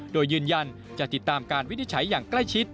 โดยยืนยันจะติดตามการวินิจฉัยอย่างใกล้ชิด